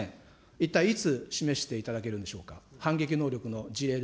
一体いつ、示していただけるんでしょうか。